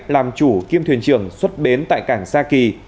làm chủ kiêm thuyền trưởng xuất bến tại cảng sa kỳ